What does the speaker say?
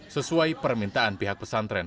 sesuai permintaan pihak pesantren